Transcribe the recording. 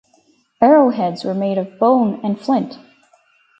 Arrowheads were made of bone and flint.